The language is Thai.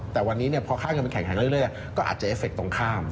แต่วันนี้พอข้างกันเป็นแข่งแข่งเรื่อยก็อาจจะเอฟเฟคตรงข้าม